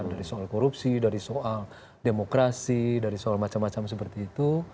dari soal korupsi dari soal demokrasi dari soal macam macam seperti itu